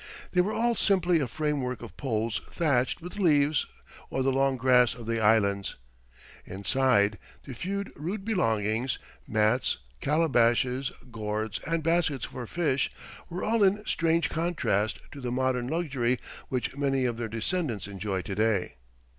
They were all simply a framework of poles thatched with leaves or the long grass of the Islands. Inside, the few rude belongings mats, calabashes, gourds, and baskets for fish were all in strange contrast to the modern luxury which many of their descendants enjoy to day.